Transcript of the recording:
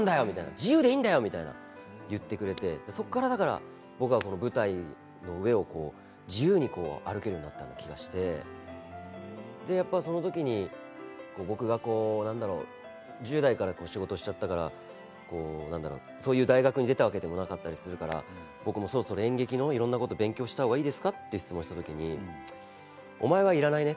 自由でいいんだよ！と言ってくれて、そこから僕は舞台の上を自由に歩けるようになった気がしてその時に僕が、なんだろう１０代から仕事をしちゃったからそういう、大学を出たわけでもなかったりするからそろそろ演劇のようなことを勉強した方がいいですか？と質問した時にお前はいらないね